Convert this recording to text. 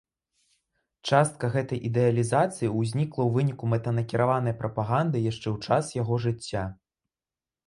Частка гэтай ідэалізацыі ўзнікла ў выніку мэтанакіраванай прапаганды яшчэ ў час яго жыцця.